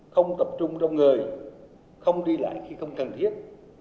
không tập trung trong người không đi lại khi không cần thiết